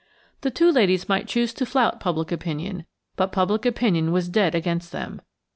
The two ladies might choose to flout public opinion, but public opinion was dead against them.